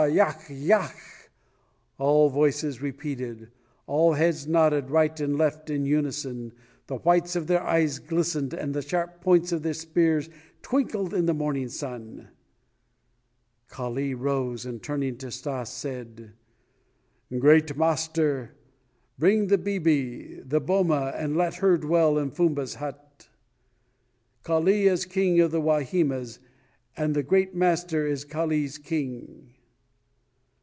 Yach, yach!" all voices repeated; all heads nodded right and left in unison, the whites of their eyes glistened, and the sharp points of the spears twinkled in the morning sun. Kali rose and turning to Stas, said: "Great master, bring the 'bibi' to the boma and let her dwell in Fumba's hut. Kali is king of the Wahimas and the great master is Kali's king."